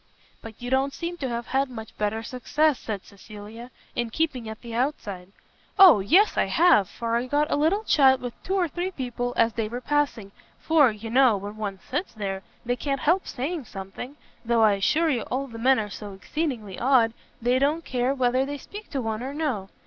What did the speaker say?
"But you don't seem to have had much better success," said Cecilia, "in keeping at the outside." "O yes I have, for I got a little chat with two or three people as they were passing, for, you know, when one sits there, they can't help saying something; though I assure you all the men are so exceedingly odd they don't care whether they speak to one or no.